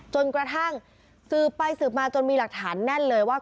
จนกระทั่งสืบไปสืบมาจนมีหลักฐานแน่นเลยว่า